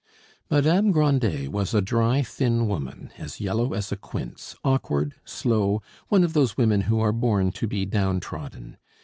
Madame Grandet was a dry, thin woman, as yellow as a quince, awkward, slow, one of those women who are born to be down trodden.